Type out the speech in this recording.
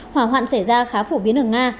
hỏa hoạn xảy ra khá phổ biến ở nga